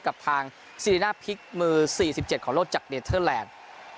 กับทางซีริน่าพลิกมือ๔๗ของโลกจากเนเทอร์แลนด์